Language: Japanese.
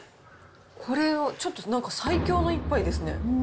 これはちょっと、なんか最強の一杯ですね。